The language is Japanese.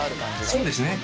そうですね。